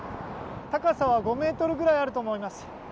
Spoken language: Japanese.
高さは５ｍくらいあると思います。